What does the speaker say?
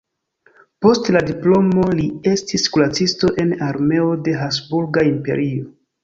Post la diplomo li estis kuracisto en armeo de Habsburga Imperio.